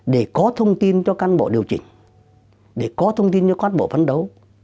để có thông tin cho cán bộ điều chỉnh để có thông tin cho cán bộ phấn đấu